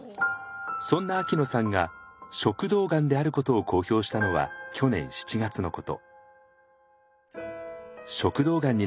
そんな秋野さんが食道がんであることを公表したのは去年７月のこと。